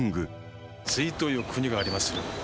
隋という国がありまする。